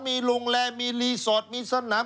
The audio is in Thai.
มีโรงแรมมีรีสอร์ทมีสนาม